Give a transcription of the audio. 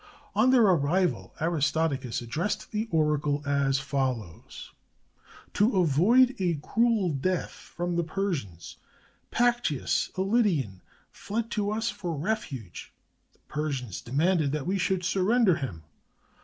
On their arrival, Aristodi cus addressed the oracle as follows :— "To avoid a cruel death from the Persians, Pactyas, a Lydian, fled to us for refuge. The Persians demanded that we should surrender him.